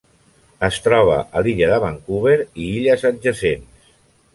Es troba a l'illa de Vancouver i illes adjacents.